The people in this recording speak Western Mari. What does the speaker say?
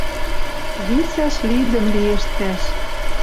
Висӓш лидӹм лиэш цӓш.